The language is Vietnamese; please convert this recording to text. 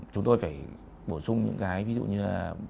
chúng tôi phải bổ sung những cái ví dụ như là